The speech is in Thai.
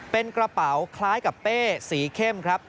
เป็นกระเป๋าคล้ายกับเป้สีเข้มครับ